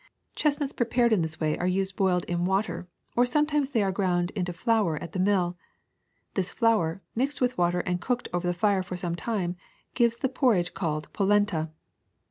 Chestnuts prepared in this way are used boiled in CHESTNUTS 283 water, or sometimes they are ground into flour at the mill. This flour, mixed with water and cooked over the fire for some time, gives the porridge called polenta.'